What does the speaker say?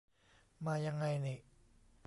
มายังไงหนิ